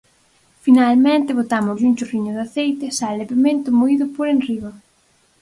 Finalmente botámoslles un chorriño de aceite, sal e pemento moído por enriba.